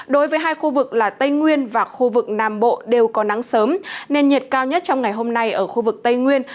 đối với hai khu vực là tây nguyên và khu vực nam bộ đều có nắng sớm nên nhiệt cao nhất trong ngày hôm nay ở khu vực tây nguyên